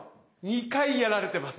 二回やられてます。